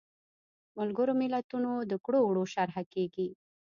د ملګرو ملتونو د کړو وړو شرحه کیږي.